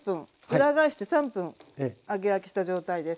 裏返して３分揚げ焼きした状態です。